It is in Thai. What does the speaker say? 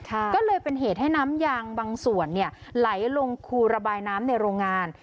ก็เลยเป็นเหตุให้น้ำยางบางส่วนเนี่ยไหลลงคูระบายน้ำในโรงงาน